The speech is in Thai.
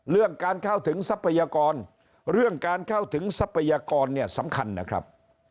เรื่องการเข้าถึงทรัพยากรเรื่องการเข้าถึงทรัพยากรเนี่ยสำคัญนะครับ